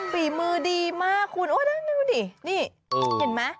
บีมือดีมากคุณดูนี่นี่เห็นไหม